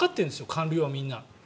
官僚はみんな。